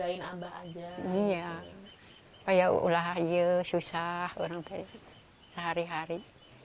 iya ulaya susah orang tua ini sehari hari